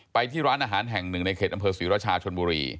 ไปที่ร้านอาหารแห่งหนึ่งในเขตอำเภอศรีราชาชนบุรี